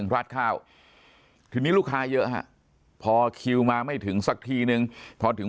ราดข้าวทีนี้ลูกค้าเยอะฮะพอคิวมาไม่ถึงสักทีนึงพอถึง